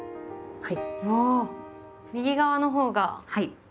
はい。